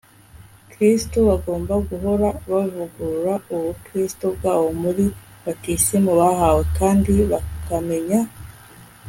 kristu bagomba guhora bavugurura ubukristu bwabo muri batisimu bahawe kandi bakamenya